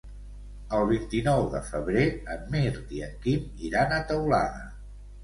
El vint-i-nou de febrer en Mirt i en Quim iran a Teulada.